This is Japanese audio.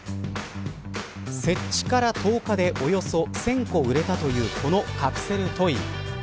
設置から１０日でおよそ１０００個売れたというこのカプセルトイ。